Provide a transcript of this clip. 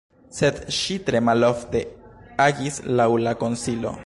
Sed ŝi tre malofte agis laŭ la konsilo!